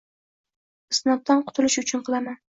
Isnoddan qutulish uchun qilaman